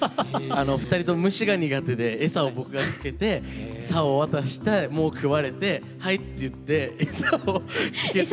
２人とも虫が苦手で餌を僕がつけて竿渡してもう食われてはいって言って餌をつけて。